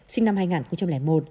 sinh năm hai nghìn một